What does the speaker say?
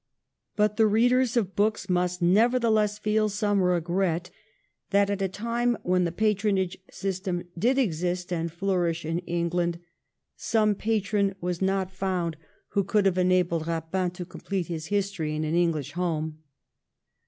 But the readers of books must nevertheless feel some regret that at a time when the patronage system did exist and flourish in England, some patron was not found who could have 1707 24 RAPIN'S HISTORY. 157 enabled Eapin to complete his history in an English home.